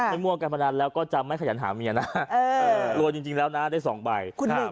มั่วการพนันแล้วก็จะไม่ขยันหาเมียนะรวยจริงแล้วนะได้๒ใบ